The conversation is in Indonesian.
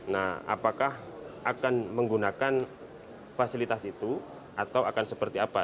nah apakah akan menggunakan fasilitas itu atau akan seperti apa